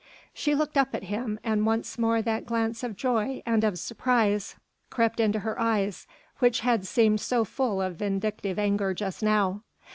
She looked up at him and once more that glance of joy and of surprise crept into her eyes which had seemed so full of vindictive anger just now.